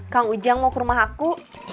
kang ujang mau ke rumah aku